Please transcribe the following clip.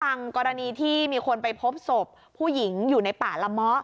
กรณีที่มีคนไปพบศพผู้หญิงอยู่ในป่าละเมาะ